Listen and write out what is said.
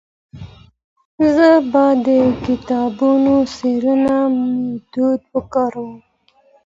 زه به د کتابتون څېړنې ميتود وکاروم.